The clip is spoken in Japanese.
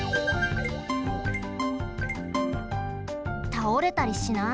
たおれたりしない？